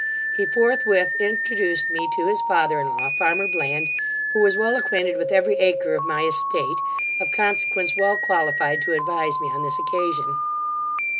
He forthwith introduced me to his father in law, farmer Bland, who was well acquainted with every acre of my estate, of consequence well qualified to advise me on this occasion.